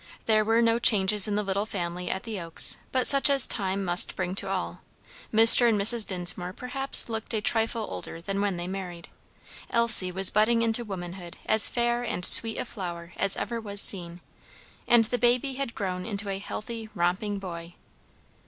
There were no changes in the little family at the Oaks but such as time must bring to all. Mr. and Mrs. Dinsmore perhaps looked a trifle older than when they married, Elsie was budding into womanhood as fair and sweet a flower as ever was seen, and the baby had grown into a healthy romping boy.